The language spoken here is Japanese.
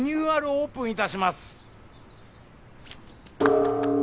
オープンいたします。